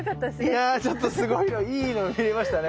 いやちょっとすごいのいいの見れましたね。